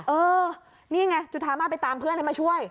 เออนี่ไงจุธามาไปตามเพื่อนให้มาช่วย